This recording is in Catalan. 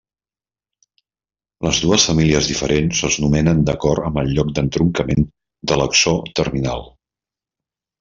Les dues famílies diferents es nomenen d'acord amb el lloc d'entroncament de l'exó terminal.